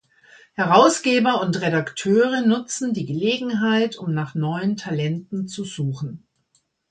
Herausgeber und Redakteure nutzen die Gelegenheit, um nach neuen Talenten zu suchen.